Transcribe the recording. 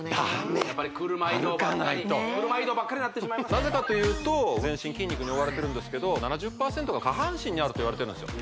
やっぱり車移動ばっかりとなぜかというと全身筋肉に覆われてるんですけど７０％が下半身にあるといわれてるんですよ